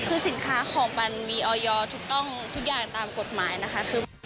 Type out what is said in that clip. คือสินค้าของมันมีออยถูกต้องทุกอย่างตามกฎหมายนะคะ